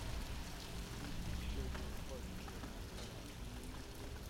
Please make sure your recordings are not cut off.